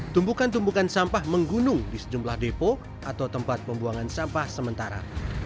tumbukan tumpukan sampah menggunung di sejumlah depo atau tempat pembuangan sampah sementara